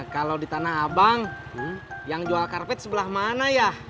kalau di tanah abang yang jual karpet sebelah mana ya